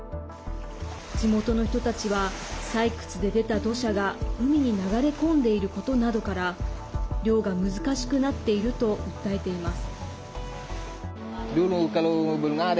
地元の人たちは採掘で出た土砂が海に流れ込んでいることなどから漁が難しくなっていると訴えています。